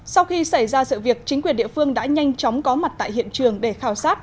sau khi xảy ra sự việc chính quyền địa phương đã nhanh chóng có mặt tại hiện trường để khảo sát